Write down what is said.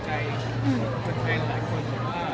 จริงคนอีกด้านเราแรงเป็นเลเวลไหนอ่ะ